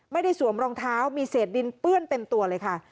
สวมรองเท้ามีเศษดินเปื้อนเต็มตัวเลยค่ะ